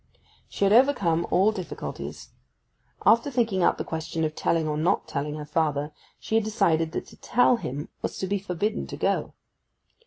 She had overcome all difficulties. After thinking out the question of telling or not telling her father, she had decided that to tell him was to be forbidden to go.